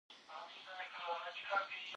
هغه کتاب چې ما لوستی و ډېر ګټور و.